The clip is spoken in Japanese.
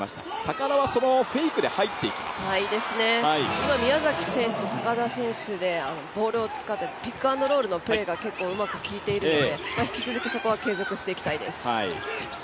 今、宮崎選手と高田選手でボールを使ってピックアンドロールのプレーが結構うまくきいているので引き続きそこは継続していきたいです。